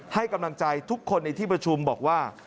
ให้กำลังใจทุกคนในที่ประชุมบอกว่า